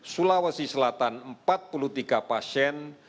sulawesi selatan empat puluh tiga pasien